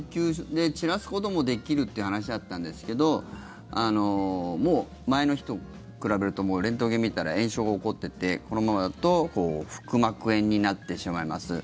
散らすこともできるって話だったんですけどもう前の日と比べるとレントゲン見たら炎症が起こっててこのままだと腹膜炎になってしまいます。